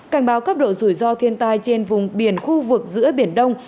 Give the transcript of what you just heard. cảnh báo cấp độ rủi ro thiên tai trên vùng biển khu vực giữa biển đông